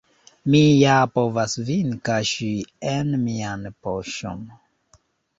Mi ja povas vin kaŝi en mian poŝon!